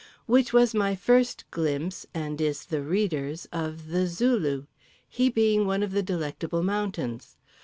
Which was my first glimpse, and is the reader's, of the Zulu; he being one of the Delectable Mountains.